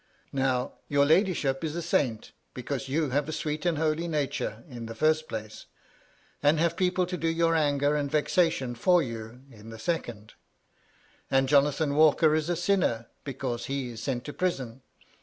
Now, your ladyship is a saint, because you have a sweet and holy nature, in the first place ; and have people to do your anger and vexation for you, in the second place. And Jonathan Walker is a sinner, because he is sent to prison.